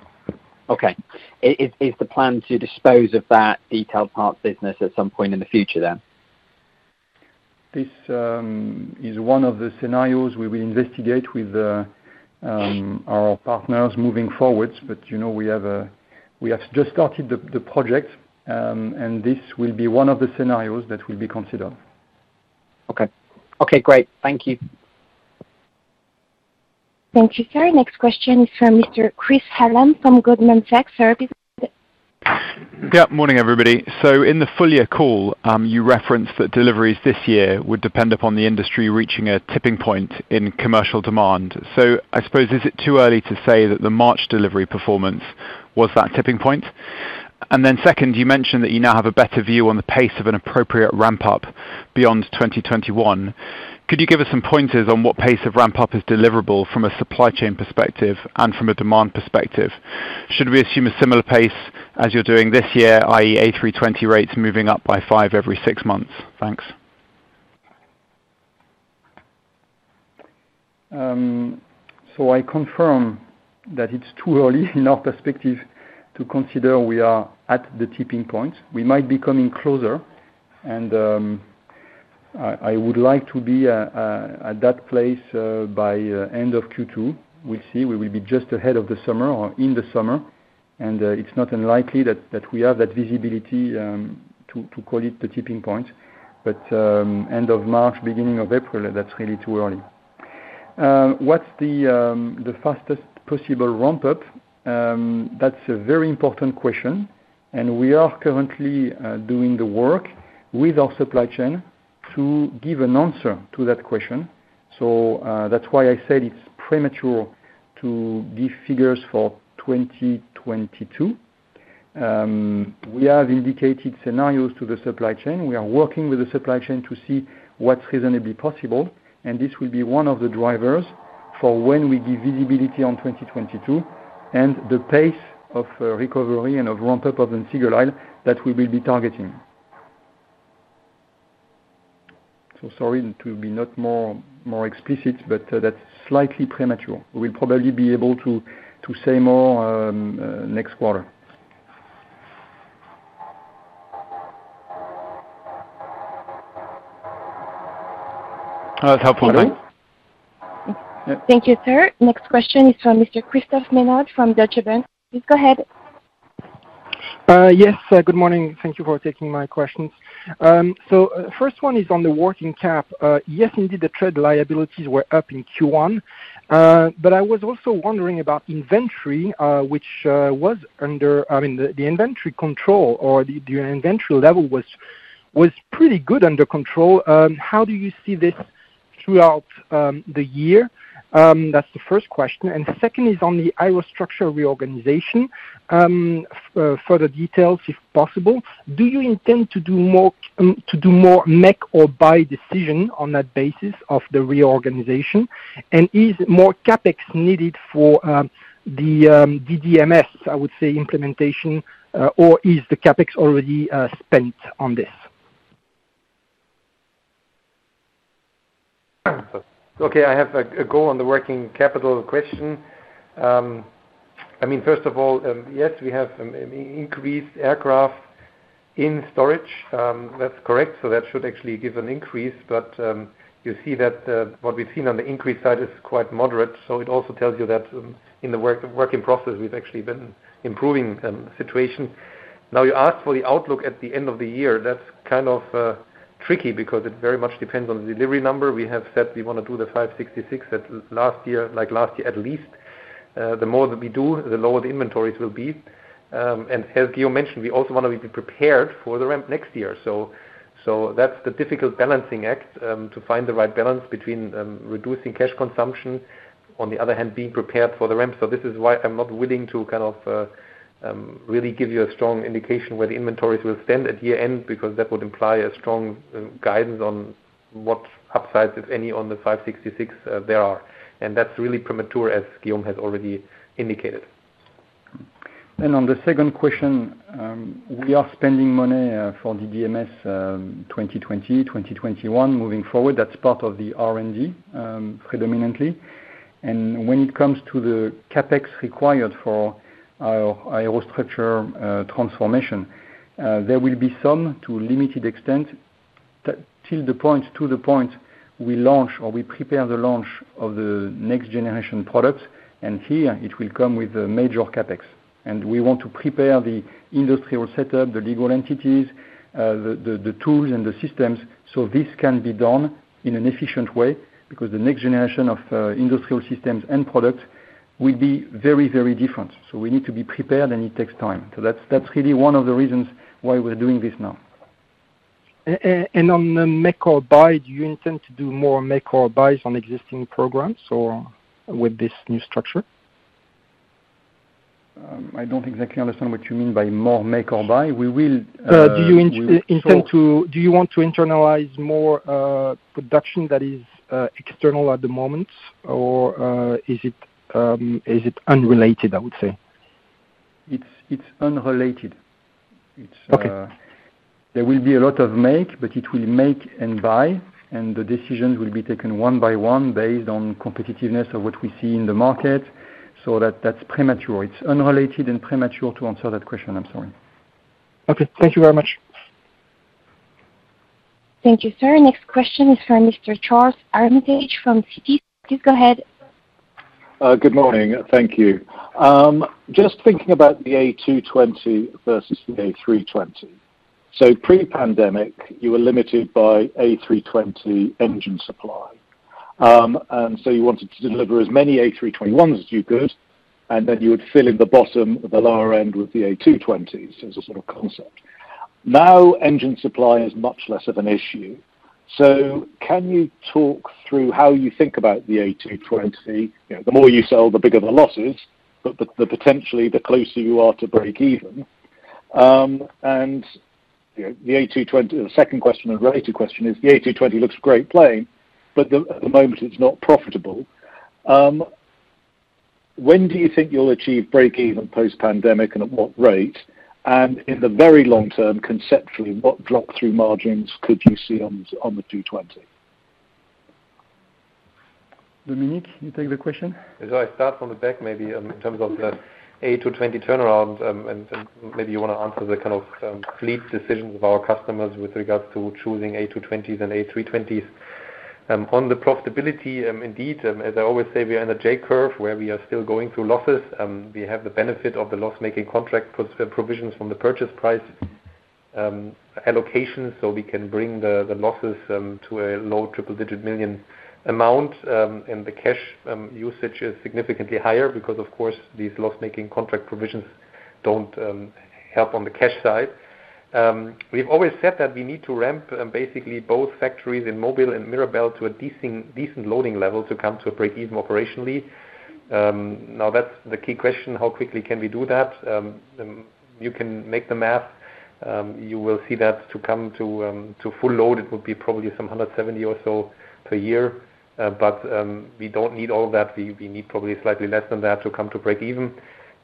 Okay. Is the plan to dispose of that detailed parts business at some point in the future then? This is one of the scenarios we will investigate with our partners moving forward, but we have just started the project, and this will be one of the scenarios that will be considered. Okay, great. Thank you. Thank you, sir. Next question is from Mr. Chris Hallam from Goldman Sachs. Yeah. Morning, everybody. In the full year call, you referenced that deliveries this year would depend upon the industry reaching a tipping point in commercial demand. I suppose, is it too early to say that the March delivery performance was that tipping point? Second, you mentioned that you now have a better view on the pace of an appropriate ramp-up beyond 2021. Could you give us some pointers on what pace of ramp-up is deliverable from a supply chain perspective and from a demand perspective? Should we assume a similar pace as you're doing this year, i.e., A320 rates moving up by five every six months? Thanks. I confirm that it's too early in our perspective to consider we are at the tipping point. We might be coming closer, and I would like to be at that place by end of Q2. We'll see. We will be just ahead of the summer or in the summer, and it's not unlikely that we have that visibility, to call it the tipping point. End of March, beginning of April, that's really too early. What's the fastest possible ramp-up? That's a very important question, and we are currently doing the work with our supply chain to give an answer to that question. That's why I said it's premature to give figures for 2022. We have indicated scenarios to the supply chain. We are working with the supply chain to see what's reasonably possible, and this will be one of the drivers for when we give visibility on 2022 and the pace of recovery and of ramp-up of the single aisle that we will be targeting. Sorry to be not more explicit, but that's slightly premature. We'll probably be able to say more next quarter. That's helpful. Thank you, sir. Next question is from Mr. Christophe Menard from Deutsche Bank. Please go ahead. Yes, good morning. Thank you for taking my questions. First one is on the working cap. Yes, indeed, the trade liabilities were up in Q1. I was also wondering about inventory, which was under the inventory control or the inventory level was pretty good under control. How do you see this throughout the year? That's the first question. Second is on the aero structure reorganization. Further details, if possible. Do you intend to do more make or buy decision on that basis of the reorganization? Is more CapEx needed for the DDMS, I would say, implementation, or is the CapEx already spent on this? I have a go on the working capital question. First of all, yes, we have some increased aircraft in storage. That's correct. That should actually give an increase, but you see that what we've seen on the increase side is quite moderate. It also tells you that in the work in process, we've actually been improving the situation. You ask for the outlook at the end of the year. That's kind of tricky because it very much depends on the delivery number. We have said we want to do the 566 like last year, at least. The more that we do, the lower the inventories will be. As Guillaume mentioned, we also want to be prepared for the ramp next year. That's the difficult balancing act, to find the right balance between reducing cash consumption, on the other hand, being prepared for the ramp. This is why I'm not willing to really give you a strong indication where the inventories will stand at year-end, because that would imply a strong guidance on what upsides, if any, on the 566 there are. That's really premature, as Guillaume has already indicated. On the second question, we are spending money for DDMS 2020, 2021 moving forward. That's part of the R&D predominantly. When it comes to the CapEx required for our aero structure transformation, there will be some to a limited extent till the point we launch or we prepare the launch of the next generation product. Here it will come with a major CapEx. We want to prepare the industrial setup, the legal entities, the tools and the systems, so this can be done in an efficient way because the next generation of industrial systems and products will be very different. We need to be prepared, and it takes time. That's really one of the reasons why we're doing this now. On the make or buy, do you intend to do more make or buys on existing programs or with this new structure? I don't exactly understand what you mean by more make or buy. Do you want to internalize more production that is external at the moment, or is it unrelated, I would say? It's unrelated. Okay. There will be a lot of make, but it will make and buy, and the decisions will be taken one by one based on competitiveness of what we see in the market. That's premature. It's unrelated and premature to answer that question. I'm sorry. Okay. Thank you very much. Thank you, sir. Next question is from Mr. Charles Armitage from Citi. Please go ahead. Good morning. Thank you. Just thinking about the A220 versus the A320. Pre-pandemic, you were limited by A320 engine supply. You wanted to deliver as many A321s as you could, and then you would fill in the bottom of the lower end with the A220s as a sort of concept. Now, engine supply is much less of an issue. Can you talk through how you think about the A220? The more you sell, the bigger the losses, but potentially the closer you are to break even. The second question or related question is, the A220 looks great plain, but at the moment it's not profitable. When do you think you'll achieve break even post-pandemic and at what rate? In the very long term, conceptually, what drop-through margins could you see on the A220? Dominik, you take the question? I start from the back maybe in terms of the A220 turnaround, and maybe you want to answer the kind of fleet decisions of our customers with regards to choosing A220s and A320s. On the profitability, indeed, as I always say, we are in a J-curve where we are still going through losses. We have the benefit of the loss-making contract provisions from the purchase price allocation so we can bring the losses to a low triple-digit million amount. The cash usage is significantly higher because, of course, these loss-making contract provisions don't help on the cash side. We've always said that we need to ramp basically both factories in Mobile and Mirabel to a decent loading level to come to a break-even operationally. That's the key question, how quickly can we do that? You can make the math. You will see that to come to full load, it would be probably some 170 or so per year. We don't need all that. We need probably slightly less than that to come to break even.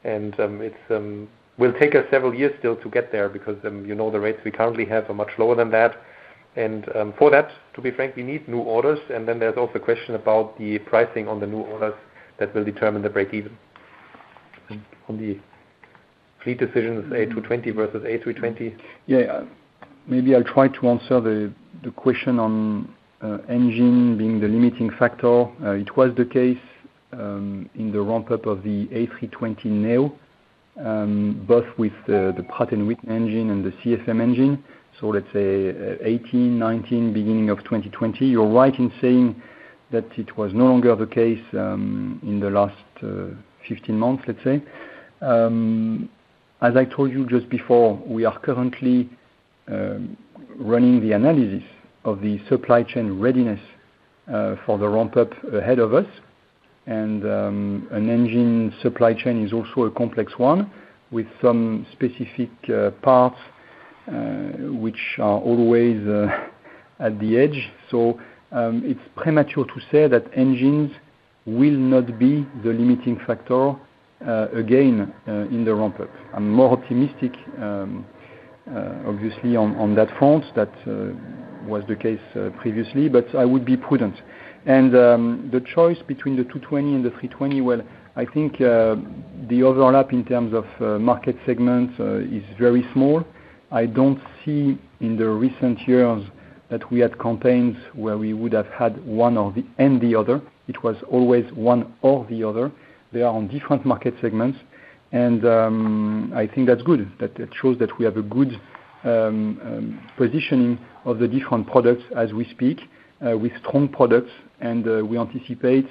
It will take us several years still to get there because the rates we currently have are much lower than that. For that, to be frank, we need new orders. There's also a question about the pricing on the new orders that will determine the break even. On the fleet decisions, A220 versus A320. Yeah. Maybe I'll try to answer the question on engine being the limiting factor. It was the case in the ramp-up of the A320neo, both with the Pratt & Whitney engine and the CFM engine. Let's say 2018, 2019, beginning of 2020. You're right in saying that it was no longer the case in the last 15 months, let's say. As I told you just before, we are currently running the analysis of the supply chain readiness for the ramp-up ahead of us, and an engine supply chain is also a complex one with some specific parts which are always at the edge. It's premature to say that engines will not be the limiting factor again in the ramp-up. I'm more optimistic, obviously, on that front. That was the case previously, but I would be prudent. The choice between the 220 and the 320, well, I think the overlap in terms of market segments is very small. I don't see in the recent years that we had campaigns where we would have had one and the other. It was always one or the other. They are on different market segments. I think that's good. That shows that we have a good positioning of the different products as we speak, with strong products. We anticipate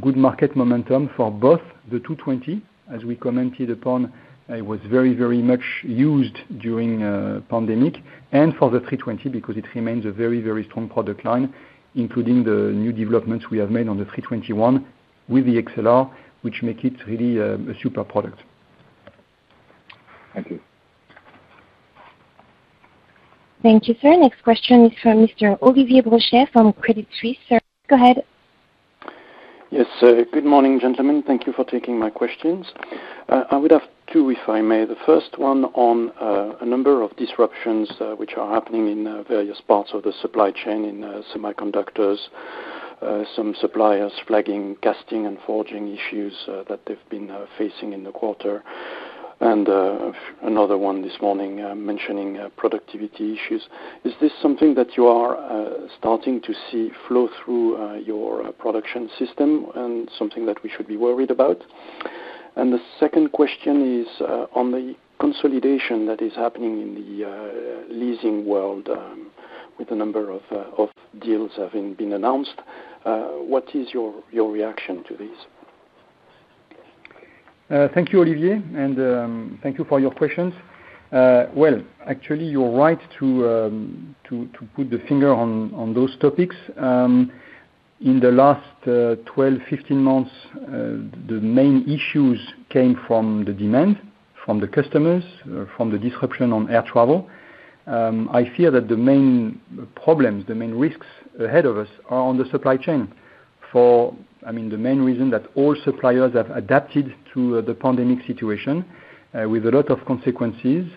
good market momentum for both the 220, as we commented upon, it was very much used during pandemic, and for the 320 because it remains a very strong product line, including the new developments we have made on the 321 with the XLR, which make it really a super product. Thank you. Thank you, sir. Next question is from Mr. Olivier Brochet from Credit Suisse, sir. Go ahead. Yes. Good morning, gentlemen. Thank you for taking my questions. I would have two, if I may. The first one on a number of disruptions which are happening in various parts of the supply chain in semiconductors. Some suppliers flagging casting and forging issues that they've been facing in the quarter. Another one this morning mentioning productivity issues. Is this something that you are starting to see flow through your production system and something that we should be worried about? The second question is on the consolidation that is happening in the leasing world with a number of deals having been announced. What is your reaction to this? Thank you, Olivier, and thank you for your questions. Well, actually, you're right to put the finger on those topics. In the last 12, 15 months, the main issues came from the demand, from the customers, from the disruption on air travel. I fear that the main problems, the main risks ahead of us are on the supply chain. For the main reason that all suppliers have adapted to the pandemic situation with a lot of consequences.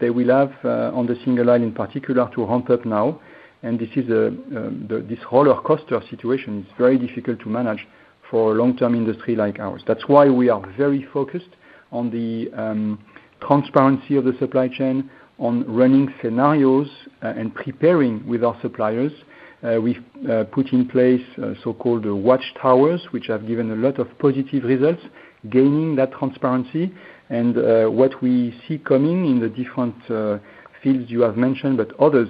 They will have, on the single line in particular, to ramp up now. This roller coaster situation is very difficult to manage for a long-term industry like ours. That's why we are very focused on the transparency of the supply chain, on running scenarios, and preparing with our suppliers. We've put in place so-called watchtowers, which have given a lot of positive results, gaining that transparency. What we see coming in the different fields you have mentioned, but others,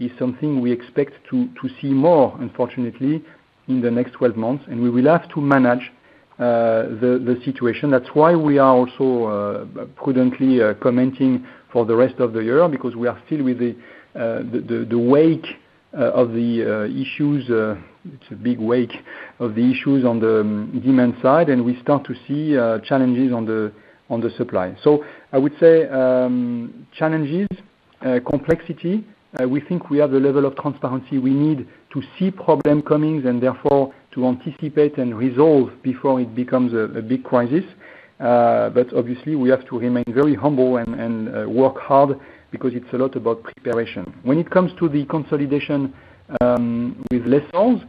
is something we expect to see more, unfortunately, in the next 12 months, and we will have to manage the situation. That's why we are also prudently commenting for the rest of the year, because we are still with the wake of the issues. It's a big wake of the issues on the demand side, and we start to see challenges on the supply. I would say, challenges, complexity. We think we have the level of transparency we need to see problem comings, and therefore to anticipate and resolve before it becomes a big crisis. Obviously we have to remain very humble and work hard because it's a lot about preparation. When it comes to the consolidation with lessors,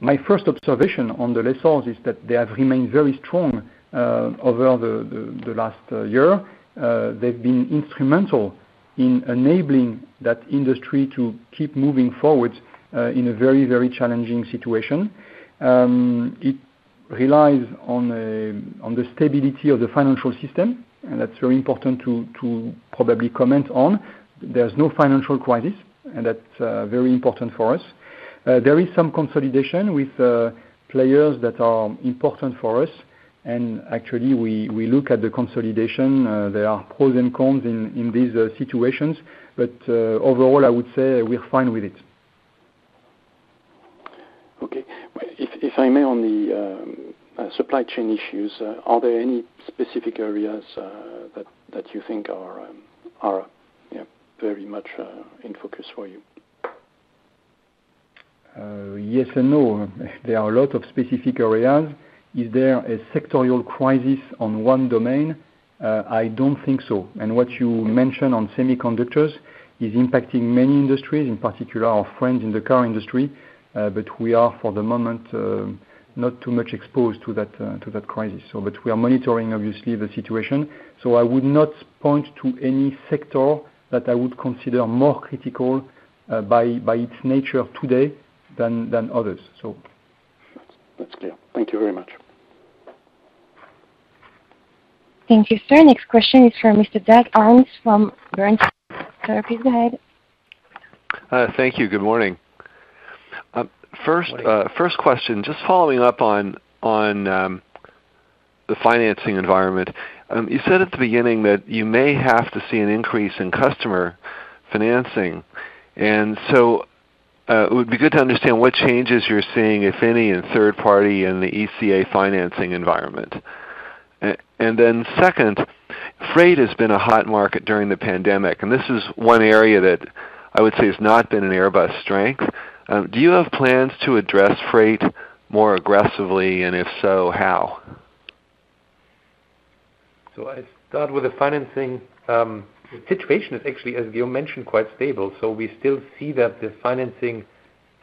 my first observation on the lessors is that they have remained very strong over the last year. They've been instrumental in enabling that industry to keep moving forward in a very challenging situation. It relies on the stability of the financial system. That's very important to probably comment on. There's no financial crisis. That's very important for us. There is some consolidation with players that are important for us. Actually, we look at the consolidation. There are pros and cons in these situations. Overall, I would say we are fine with it. Okay. If I may, on the supply chain issues, are there any specific areas that you think are very much in focus for you? Yes and no. There are a lot of specific areas. Is there a sectorial crisis on one domain? I don't think so. What you mention on semiconductors is impacting many industries, in particular our friends in the car industry. We are, for the moment, not too much exposed to that crisis. We are monitoring, obviously, the situation. I would not point to any sector that I would consider more critical by its nature today, than others. That's clear. Thank you very much. Thank you, sir. Next question is from Mr. Douglas Harned from Bernstein. Sir, please go ahead. Thank you. Good morning. First question, just following up on the financing environment. You said at the beginning that you may have to see an increase in customer financing. It would be good to understand what changes you're seeing, if any, in third party and the ECA financing environment. Second, freight has been a hot market during the pandemic, and this is one area that I would say has not been an Airbus strength. Do you have plans to address freight more aggressively? If so, how? I start with the financing. The situation is actually, as you mentioned, quite stable. We still see that the financing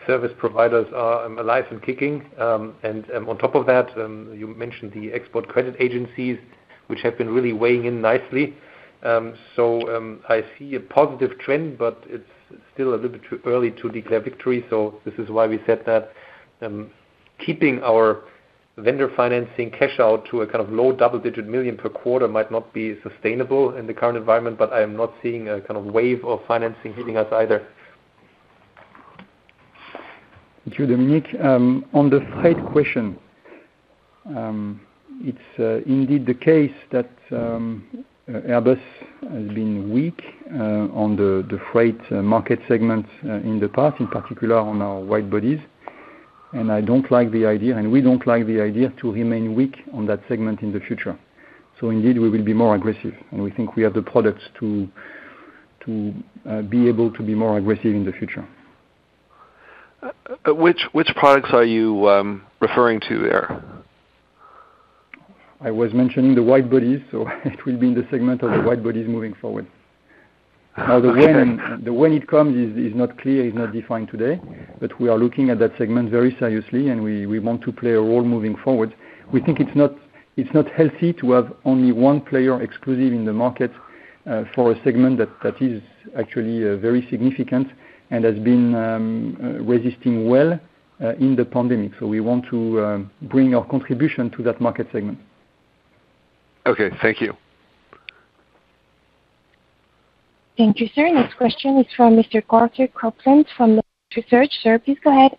service providers are alive and kicking. On top of that, you mentioned the export credit agencies, which have been really weighing in nicely. I see a positive trend, but it's still a little bit too early to declare victory. This is why we said that keeping our vendor financing cash out to a low double-digit million per quarter might not be sustainable in the current environment, but I am not seeing a wave of financing hitting us either. Thank you, Dominik. On the freight question, it's indeed the case that Airbus has been weak on the freight market segment in the past, in particular on our wide bodies. I don't like the idea, and we don't like the idea to remain weak on that segment in the future. Indeed, we will be more aggressive, and we think we have the products to be able to be more aggressive in the future. Which products are you referring to there? I was mentioning the wide bodies, so it will be in the segment of the wide bodies moving forward. Now, when it comes is not clear, is not defined today. We are looking at that segment very seriously, and we want to play a role moving forward. We think it's not healthy to have only one player exclusive in the market for a segment that is actually very significant and has been resisting well in the pandemic. We want to bring our contribution to that market segment. Okay. Thank you. Thank you, sir. Next question is from Mr. Carter Copeland from Melius Research. Sir, please go ahead.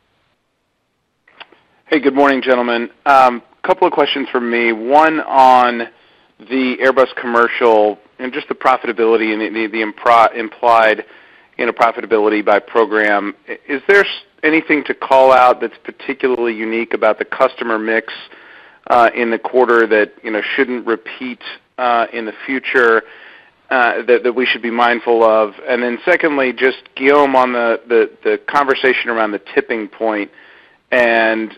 Hey, good morning, gentlemen. Couple of questions from me, one on the Airbus Commercial and just the profitability and the implied profitability by program. Is there anything to call out that's particularly unique about the customer mix in the quarter that shouldn't repeat in the future, that we should be mindful of? Secondly, just Guillaume on the conversation around the tipping point and,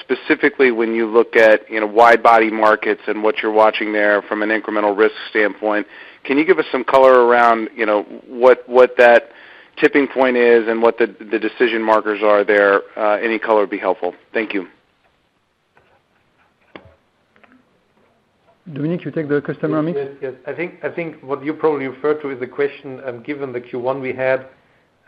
specifically when you look at wide-body markets and what you're watching there from an incremental risk standpoint, can you give us some color around what that tipping point is and what the decision markers are there? Any color would be helpful. Thank you. Dominik, you take the customer mix? Yes. I think what you probably refer to is the question, given the Q1 we had,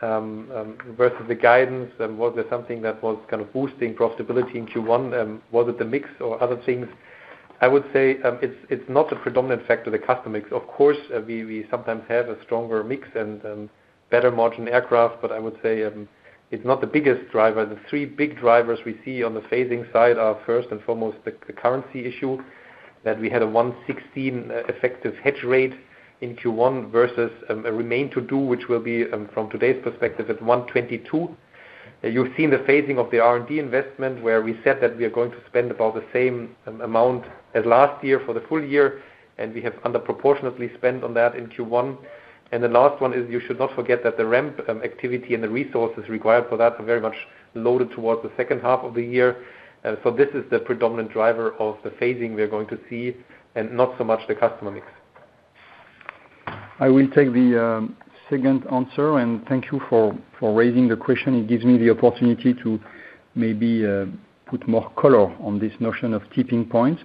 versus the guidance. Was there something that was kind of boosting profitability in Q1? Was it the mix or other things? I would say it's not the predominant factor, the customer mix. Of course, we sometimes have a stronger mix and better margin aircraft. I would say it's not the biggest driver. The three big drivers we see on the phasing side are first and foremost, the currency issue, that we had a 116 effective hedge rate in Q1 versus a remain to do, which will be, from today's perspective, at 122. You've seen the phasing of the R&D investment, where we said that we are going to spend about the same amount as last year for the full year. We have under proportionately spent on that in Q1. The last one is you should not forget that the ramp activity and the resources required for that are very much loaded towards the second half of the year. This is the predominant driver of the phasing we are going to see, and not so much the customer mix. I will take the second answer, and thank you for raising the question. It gives me the opportunity to maybe put more color on this notion of tipping points.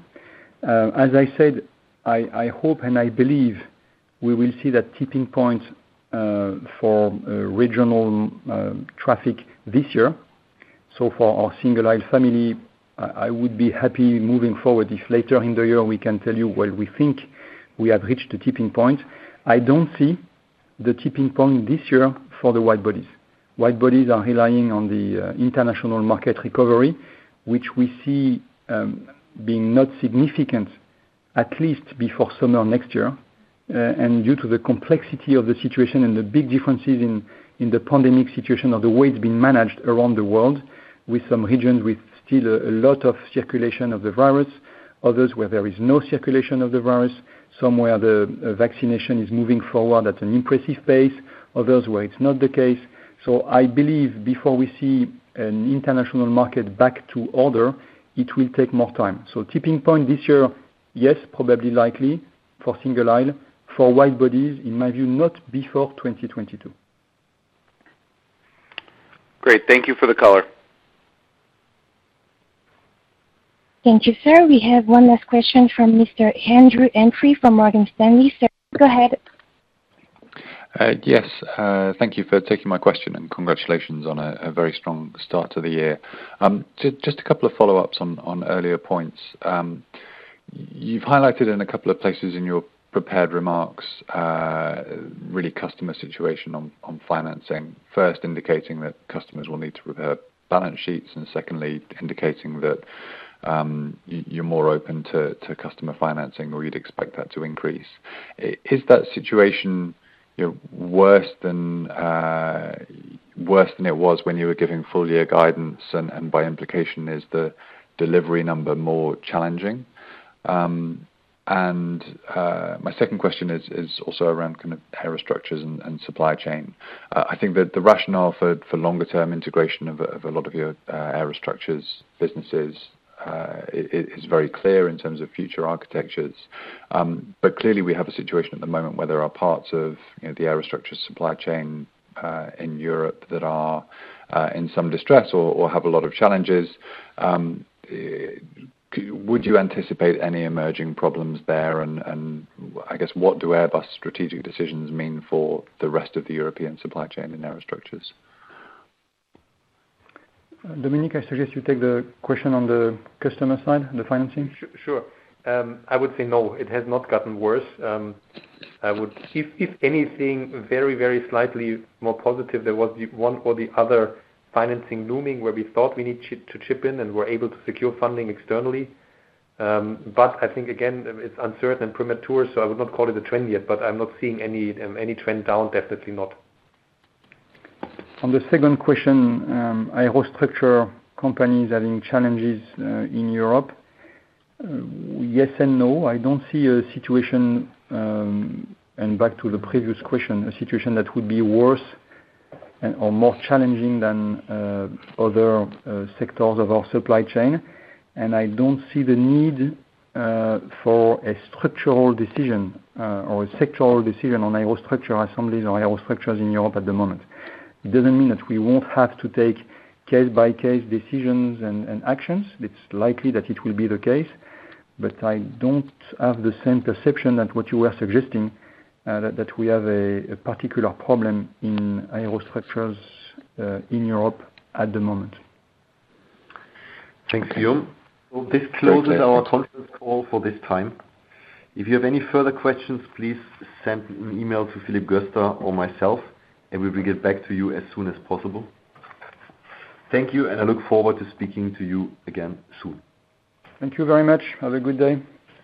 As I said, I hope and I believe we will see that tipping point for regional traffic this year. For our single aisle family, I would be happy moving forward if later in the year we can tell you where we think we have reached the tipping point. I don't see the tipping point this year for the wide bodies. Wide bodies are relying on the international market recovery, which we see being not significant, at least before summer next year. Due to the complexity of the situation and the big differences in the pandemic situation or the way it's being managed around the world, with some regions with still a lot of circulation of the virus, others where there is no circulation of the virus, somewhere the vaccination is moving forward at an impressive pace, others where it's not the case. I believe before we see an international market back to order, it will take more time. Tipping point this year? Yes, probably likely for single aisle. For wide bodies, in my view, not before 2022. Great. Thank you for the color. Thank you, sir. We have one last question from Mr. Andrew Humphrey from Morgan Stanley. Sir, go ahead. Yes. Thank you for taking my question, and congratulations on a very strong start to the year. Just a couple of follow-ups on earlier points. You've highlighted in a couple of places in your prepared remarks, really customer situation on financing. First indicating that customers will need to repair balance sheets, and secondly, indicating that you're more open to customer financing, or you'd expect that to increase. Is that situation worse than it was when you were giving full year guidance? By implication, is the delivery number more challenging? My second question is also around kind of aerostructures and supply chain. I think that the rationale for longer term integration of a lot of your aerostructures businesses is very clear in terms of future architectures. Clearly, we have a situation at the moment where there are parts of the aerostructure supply chain, in Europe that are in some distress or have a lot of challenges. Would you anticipate any emerging problems there? I guess, what do Airbus strategic decisions mean for the rest of the European supply chain in aerostructures? Dominik Asam, I suggest you take the question on the customer side and the financing. Sure. I would say no, it has not gotten worse. If anything, very, very slightly more positive. There was one or the other financing looming where we thought we need to chip in and were able to secure funding externally. I think, again, it's uncertain, premature, so I would not call it a trend yet, but I'm not seeing any trend down, definitely not. On the second question, aerostructure companies having challenges in Europe. Yes and no. I don't see a situation, and back to the previous question, a situation that would be worse or more challenging than other sectors of our supply chain. I don't see the need for a structural decision or a sectoral decision on aerostructure assemblies or aerostructures in Europe at the moment. It doesn't mean that we won't have to take case-by-case decisions and actions. It's likely that it will be the case. I don't have the same perception that what you are suggesting, that we have a particular problem in aerostructures in Europe at the moment. Thanks, Guillaume. Well, this closes our conference call for this time. If you have any further questions, please send an email to Philippe Gastar or myself, and we will get back to you as soon as possible. Thank you, and I look forward to speaking to you again soon. Thank you very much. Have a good day.